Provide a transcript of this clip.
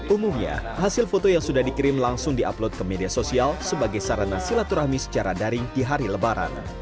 umumnya hasil foto yang sudah dikirim langsung di upload ke media sosial sebagai sarana silaturahmi secara daring di hari lebaran